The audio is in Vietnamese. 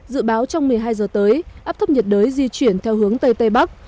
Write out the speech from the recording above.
dự báo trong một mươi hai giờ tới áp thấp nhiệt đới di chuyển theo hướng tây tây bắc